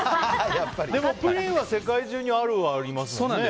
でもプリンは世界中にあるはありますよね。